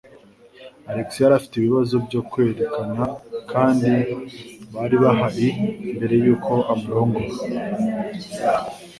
Alex yari afite ibibazo byo kwizerana, kandi bari bahari mbere yuko amurongora.